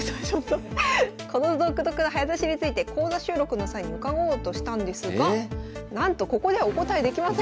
この独特な早指しについて講座収録の際に伺おうとしたんですがなんと「ここではお答えできません」。